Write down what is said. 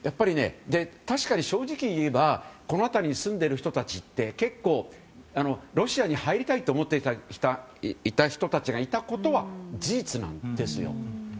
確かに正直に言えばこの辺りに住んでいる人たちって結構ロシアに入りたいと思っている人たちがいたことは事実なんです。